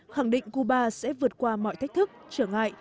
khẳng định cuba sẽ vượt qua mọi thách thức trở ngại